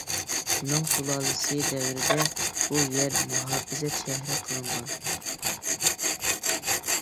مىڭ سۇلالىسى دەۋرىدە بۇ يەر مۇھاپىزەت شەھىرى قىلىنغان.